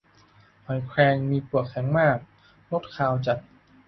หอยแครง มีเปลือกแข็งมาก รสคาวจัด